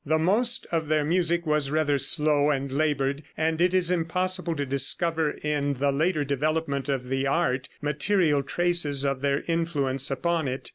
The most of their music was rather slow and labored, and it is impossible to discover in the later development of the art material traces of their influence upon it.